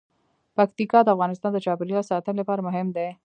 پکتیکا د افغانستان د چاپیریال ساتنې لپاره مهم دي.